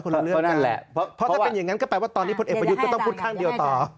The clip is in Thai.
เรื่องนั่นแหละเพราะถ้าเป็นอย่างนั้นก็แปลว่าตอนนี้พลเอกประยุทธ์ก็ต้องพูดข้างเดียวต่อ